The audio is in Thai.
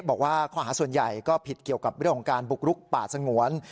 บอกว่าข้อหาส่วนใหญ่ก็ผิดเกี่ยวกับเรื่องของการบุกรุกป่าสงวน